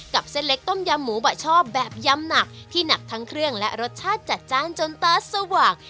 เส้นเล็กต้มยำหมูบะชอบแบบยำหนักที่หนักทั้งเครื่องและรสชาติจัดจ้านจนตาสว่าง